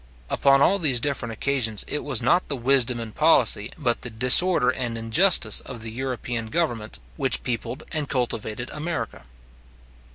Upon all these different occasions, it was not the wisdom and policy, but the disorder and injustice of the European governments, which peopled and cultivated America.